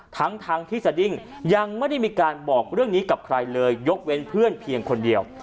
ทั้งทั้งที่สดิ้งยังไม่ได้มีการบอกเรื่องนี้กับใครเลยยกเว้นเพื่อนเพียงคนเดียว